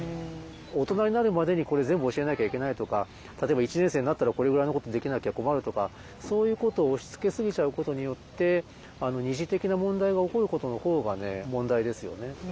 大人になるまでにこれ全部教えなきゃいけないとか例えば１年生になったらこれぐらいのことできなきゃ困るとかそういうことを押しつけ過ぎちゃうことによって二次的な問題が起こることのほうが問題ですよね。